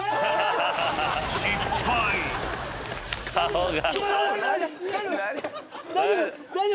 顔が。